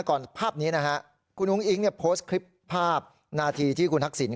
ภาพนี้นะฮะคุณอุ้งอิ๊งเนี่ยโพสต์คลิปภาพนาทีที่คุณทักษิณ